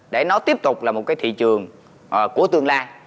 để nó tiếp tục là một cái thị trường của tương lai